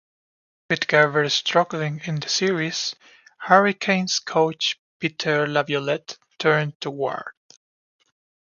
With Gerber struggling in the series, Hurricanes coach Peter Laviolette turned to Ward.